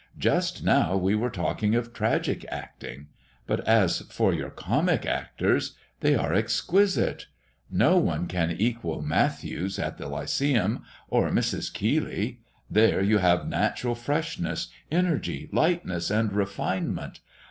Just now we were talking of tragic acting; but as for your comic actors, they are exquisite. No one can equal Matthews at the Lyceum or Mrs. Keeley. There you have natural freshness, energy, lightness, and refinement.